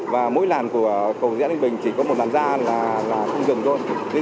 và mỗi làn của cầu rẽ ninh bình chỉ có một làn ra là không dừng thôi